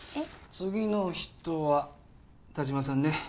次の人は田島さんね。